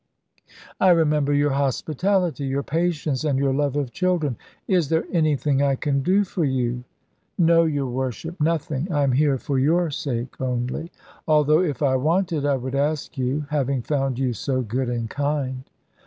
I remember your hospitality, your patience, and your love of children. Is there anything I can do for you?" "No, your Worship, nothing. I am here for your sake only; although if I wanted, I would ask you, having found you so good and kind."